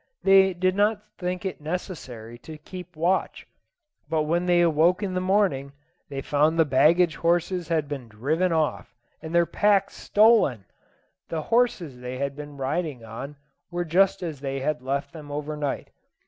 They did not think it necessary to keep watch, but when they awoke in the morning they found the baggage horses had been driven off, and their packs stolen. The horses they had been riding on were just as they had left them over night.